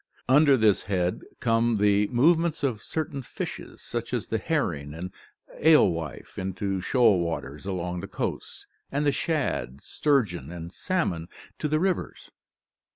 Under this head come the move ments of certain fishes such as the herring and alewife into shoal waters along the coasts, and the shad, sturgeon, and salmon to the rivers.